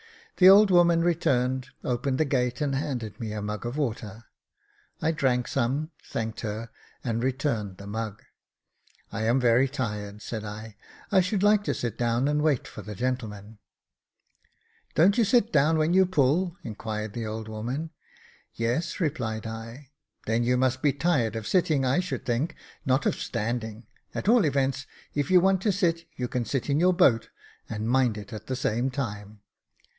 The old woman returned, opened the gate, and handed me a mug of water. I drank some, thanked her, and returned the mug. *' I am very tired," said I ; "I should like to sit down and wait for the gentleman." "Don't you sit down when you pull ?" inquired the old woman. " Yes," replied L " Then you must be tired of sitting, I should think, not of standing , at ail events, if you want to sit, you can sit in your boat, and mind it at the same time."